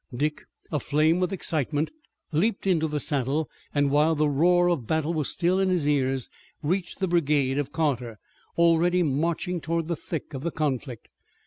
Dick, aflame with excitement, leaped into the saddle, and while the roar of battle was still in his ears reached the brigade of Carter, already marching toward the thick of the conflict.